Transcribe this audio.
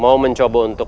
mau mencoba untuk